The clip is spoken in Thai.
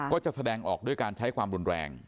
ก็จะแสดงออกด้วยการใช้ความรุนแรง